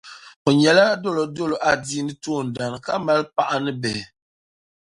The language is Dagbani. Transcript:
O nyɛla dolodolo adiini toondana ka mali paɣa ni bihi.